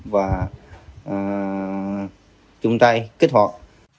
và chung tay kích hoạt